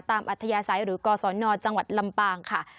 ตามอัตยสัยหรือกฎศนจังหวัดลำปางค่ะ